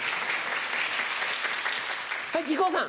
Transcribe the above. はい木久扇さん。